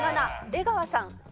７出川さん